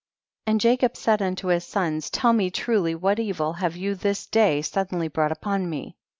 19. And Jacob said unto his sons, tell me truly what evil have you this day suddenly brought upon me